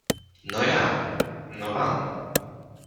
No ja. No pan.